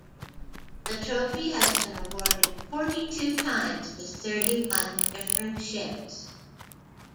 The trophy has been awarded forty-two times to thirty-one different ships.